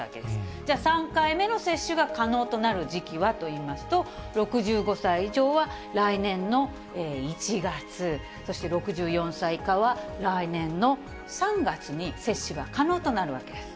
じゃあ３回目の接種が可能となる時期はというと、６５歳以上は来年の１月、そして６４歳以下は、来年の３月に接種が可能となるわけです。